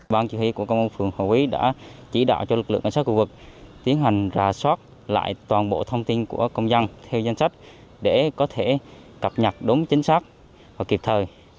ban chỉ huy của công an phường hội quý đã chỉ đạo cho lực lượng cảnh sát khu vực tiến hành rà soát lại toàn bộ thông tin của công dân theo danh sách để có thể cập nhật đúng chính xác và kịp thời